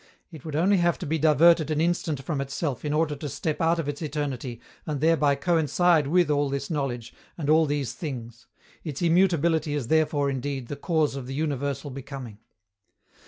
It would only have to be diverted an instant from itself in order to step out of its eternity and thereby coincide with all this knowledge and all these things. Its immutability is therefore, indeed, the cause of the universal becoming.